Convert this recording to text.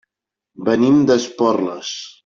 Venim d'Esporles.